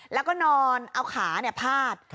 แล้วก็นอนเอาขาเนี่ยพาด